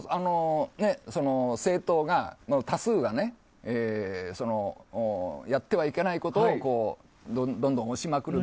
政党の多数がやってはいけないことをどんどん押しまくる